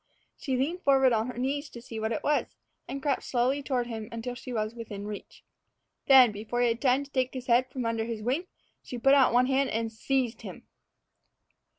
She leaned forward on her knees to see what it was, and crept slowly toward him until she was within reach. Then, before he had time to take his head from under his wing, she put out one hand and seized him.